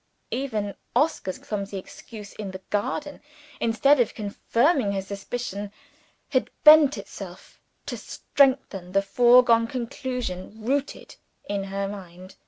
Even Oscar's clumsy excuse in the garden instead of confirming her suspicion had lent itself to strengthen the foregone conclusion rooted in her mind!